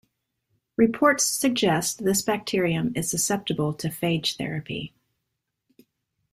Reports suggest this bacterium is susceptible to phage therapy.